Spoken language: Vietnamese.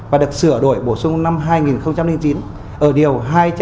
và được sửa đổi bổ sung năm hai nghìn chín ở điều hai trăm sáu mươi bảy